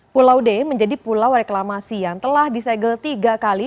pulau d menjadi pulau reklamasi yang telah disegel tiga kali